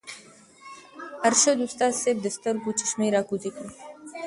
ارشد استاذ صېب د سترګو چشمې راکوزې کړې